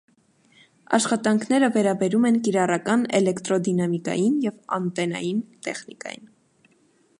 Աշխատանքները վերաբերում են կիրառական էլեկտրոդինամիկային և անտենային տեխնիկային։